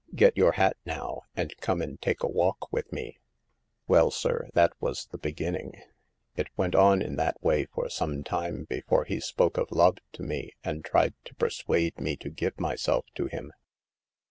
Get your hat now, and come and take a walk with me." " 6 Well, sir, that was the beginning. It went on in that way for some time before he spoke of love to me and tried to persuade me to give myself to him.